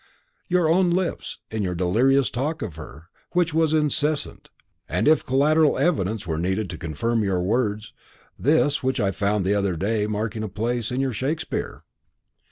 "Your own lips, in your delirious talk of her, which has been incessant; and if collateral evidence were needed to confirm your words, this, which I found the other day marking a place in your Shakespeare."